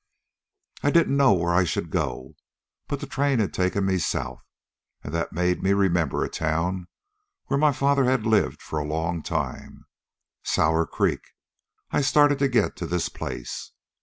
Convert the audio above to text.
"I didn't know where I should go, but the train had taken me south, and that made me remember a town where my father had lived for a long time Sour Creek. I started to get to this place.